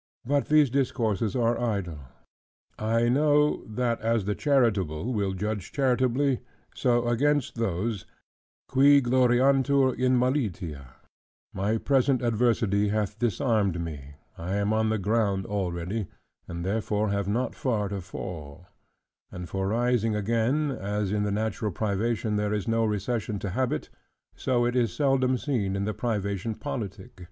" But these discourses are idle. I know that as the charitable will judge charitably: so against those, "Qui gloriantur in malitia," my present adversity hath disarmed me, I am on the ground already, and therefore have not far to fall: and for rising again, as in the natural privation there is no recession to habit; so it is seldom seen in the privation politic.